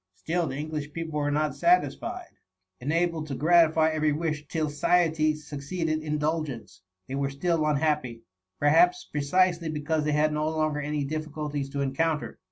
Still, the English people were not satisfied :— enabled to gratify every wish till satiety succeeded indulgence, they were still unhappy ; perhaps, precisely because they had no longer any difficulties to encounter.